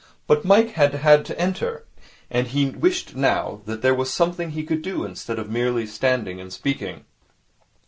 But Mike had had to enter, and he wished now that there was something he could do instead of merely standing and speaking.